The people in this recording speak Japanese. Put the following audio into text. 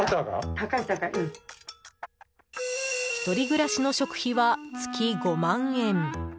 １人暮らしの食費は月５万円。